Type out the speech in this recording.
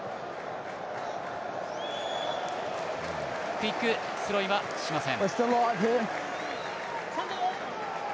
ピックスローインはしません。